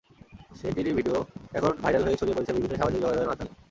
সেটিরই video এখন viral হয়ে ছড়িয়ে পড়েছে বিভিন্ন সামাজিক যোগাযোগের মাধ্যমে।